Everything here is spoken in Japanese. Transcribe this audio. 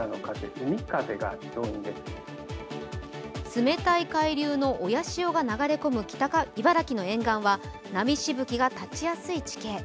冷たい海流の親潮が北茨城の沿岸は波しぶきが立ちやすい地形。